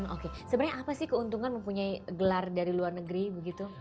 oke sebenarnya apa sih keuntungan mempunyai gelar dari luar negeri begitu